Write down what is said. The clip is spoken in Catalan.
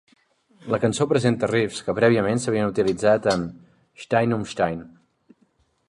La cançó presenta riffs que prèviament s'havien utilitzat en "Stein um Stein".